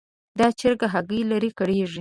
دا چرګه هګۍ لري؛ کړېږي.